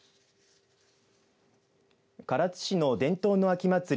唐津市の伝統の秋祭り